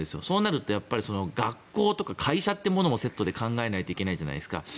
そうなると、学校とか会社ってものもセットで考えないといけないじゃないですか。